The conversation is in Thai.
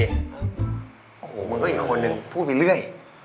โอ้โหมันก็อีกคนนึงพูดไปเรื่อย